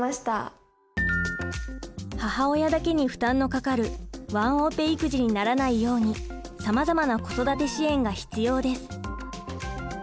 母親だけに負担のかかるワンオペ育児にならないようにさまざまな子育て支援が必要です。